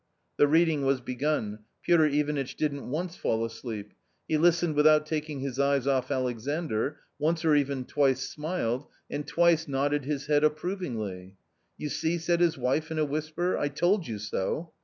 ,, The reading was begun. Piotr Ivanitch didn't once fall asleep ; he listened without taking his eyes off Alexandr, once or even twice smiled, and twice nodded his head approvingly. " You see," said his wife in a whisper, " I told you so."